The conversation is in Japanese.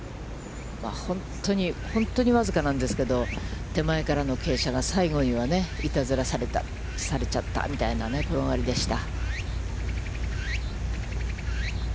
本当に、本当に僅かなんですけど、手前からの傾斜が、最後にはね、いたずらされちゃったみたいな、転がりでした。